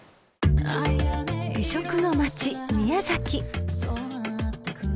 ［美食の街宮崎］